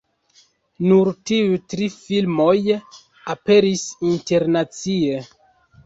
Nur tiuj tri filmoj aperis internacie.